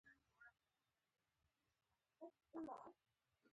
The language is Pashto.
د مالکیت د حقونو نا خوندي وضعیت رامنځته شوی و.